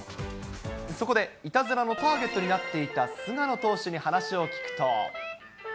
そこでいたずらのターゲットになっていた菅野投手に話を聞くと。